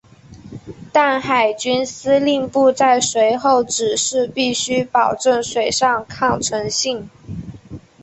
但海军司令部在随后指示必须保证水上抗沉性。